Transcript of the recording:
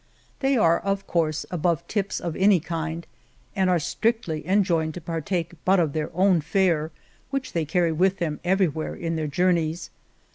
They are, of course, above tips of any kind and are strictly enjoined to partake but of their own fare, which they carry with them everywhere in their journeys.